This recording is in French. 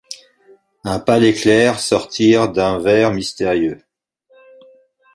Un pâle éclair sortir d'un vers mystérieux !